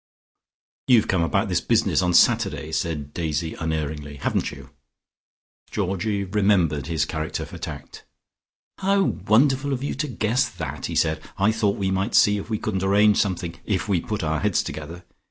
"You've come about this business on Saturday," said Daisy unerringly. "Haven't you?" Georgie remembered his character for tact. "How wonderful of you to guess that!" he said. "I thought we might see if we couldn't arrange something, if we put our heads together.